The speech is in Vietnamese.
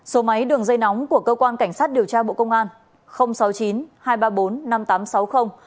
số máy đường dây nóng của cơ quan cảnh sát điều tra bộ công an